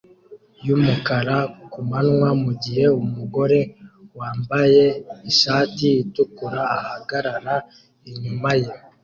yumukara ku manywa mugihe umugore wambaye ishati itukura ahagarara inyuma ye